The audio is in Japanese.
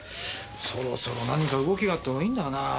そろそろ何か動きがあってもいいんだがなあ。